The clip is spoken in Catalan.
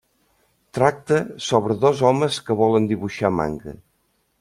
Tracta sobre dos homes que volen dibuixar manga.